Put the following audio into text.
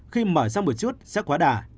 khi mở ra một chút sẽ quá đả